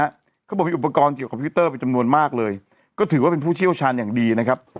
เขาบอกมีอุปกรณ์เกี่ยวกับคอมพิวเตอร์เป็นจำนวนมากเลยก็ถือว่าเป็นผู้เชี่ยวชาญอย่างดีนะครับ